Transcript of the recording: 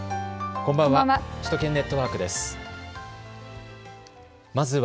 こんばんは。